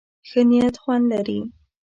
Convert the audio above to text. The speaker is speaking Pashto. ښه نيت خوند لري.